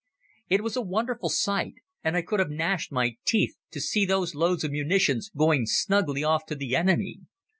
It was a wonderful sight, and I could have gnashed my teeth to see those loads of munitions going snugly off to the enemy.